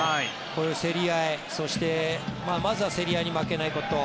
こういう競り合いそしてまずは競り合いに負けないこと。